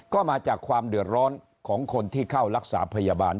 ก็มาจากความเดือดร้อนของคนที่เข้ารักษาพยาบาล